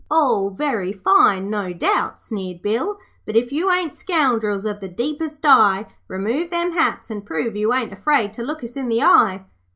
'All very fine, no doubt,' sneered Bill, 'but if you ain't scoundrels of the deepest dye, remove them hats and prove you ain't afraid to look us in the eye.'